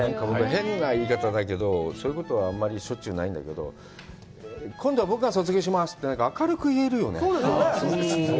変な言い方だけど、そういうことはしょっちゅうないんだけど今度は僕が卒業しますって、明るく言えるよね。